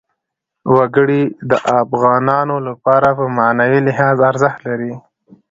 وګړي د افغانانو لپاره په معنوي لحاظ ارزښت لري.